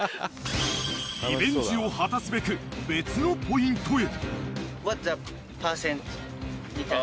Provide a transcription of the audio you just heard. ［リベンジを果たすべく別のポイントへ］